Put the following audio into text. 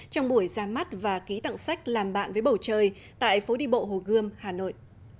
trong buổi ra mắt và ký tặng sách làm bạn với bầu trời tại phố đi bộ hồ gươm hà nội